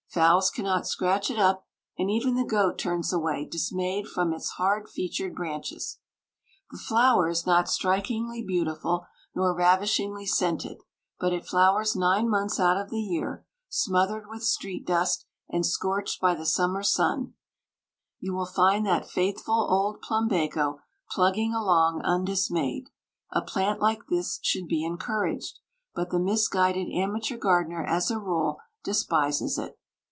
Fowls cannot scratch it up, and even the goat turns away dismayed from its hard featured branches. The flower is not strikingly beautiful nor ravishingly scented, but it flowers nine months out of the year; smothered with street dust and scorched by the summer sun, you will find that faithful old plumbago plugging along undismayed. A plant like this should be encouraged but the misguided amateur gardener as a rule despises it.